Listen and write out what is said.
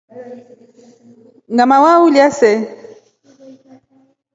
Ngʼama wliuya see.